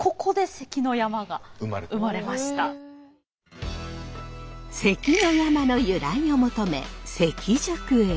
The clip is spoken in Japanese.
「関の山」の由来を求め関宿へ。